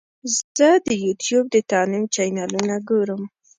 زه د یوټیوب د تعلیم چینلونه ګورم.